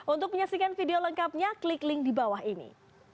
untuk menyaksikan video lengkapnya klik link di bawah ini